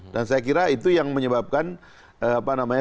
dan saya kira itu yang menyebabkan apa namanya